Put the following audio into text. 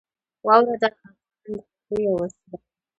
واوره د افغانانو د تفریح یوه وسیله ده.